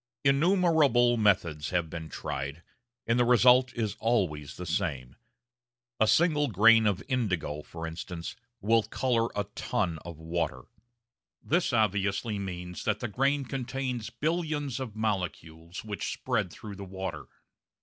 Innumerable methods have been tried, and the result is always the same. A single grain of indigo, for instance, will colour a ton of water. This obviously means that the grain contains billions of molecules which spread through the water.